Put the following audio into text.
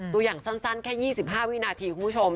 ตัวอย่างสั้นแค่๒๕วินาทีคุณผู้ชม